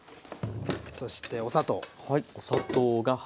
そしてお砂糖。